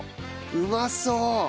うまそう！